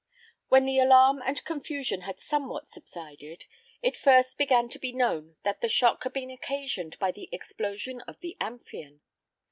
When the alarm and confusion had somewhat subsided, it first began to be known that the shock had been occasioned by the explosion of the Amphion.